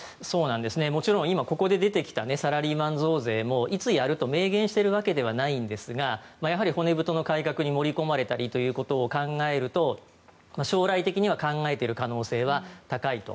もちろん今ここで出てきたサラリーマン増税もいつやると明言しているわけではないんですがやはり骨太の改革に盛り込まれたりということを考えると将来的には考えている可能性は高いと。